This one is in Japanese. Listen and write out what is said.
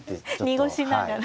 濁しながら。